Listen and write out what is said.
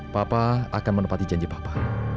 papa akan menepati janji bapak